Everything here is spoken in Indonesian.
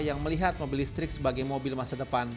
yang melihat mobil listrik sebagai mobil masa depan